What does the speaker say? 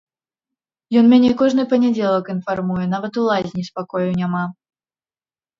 Ён мяне кожны панядзелак інфармуе, нават у лазні спакою няма.